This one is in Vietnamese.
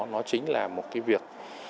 nó chính là một cái việc